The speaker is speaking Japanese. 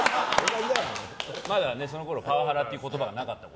まだ、そのころパワハラって言葉がなかったの。